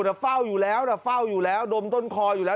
แต่เฝ้าอยู่แล้วนะเฝ้าอยู่แล้วดมต้นคออยู่แล้ว